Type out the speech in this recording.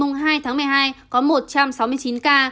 ngày hai tháng một mươi hai có một trăm sáu mươi chín ca